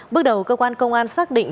bước đầu cơ quan công an xác định